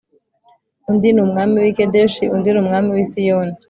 undi ni umwami w i kedeshi undi ni umwami w isiyoni